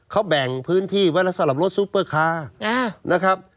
เขาแบ่งพื้นที่ไว้แล้วสำหรับรถซูเปอร์คาร์นะครับ